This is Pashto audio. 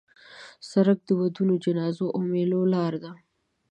سړک د ودونو، جنازو او میلو لاره ده.